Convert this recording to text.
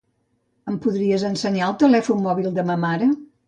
Em podries ensenyar el telèfon mòbil de ma mare?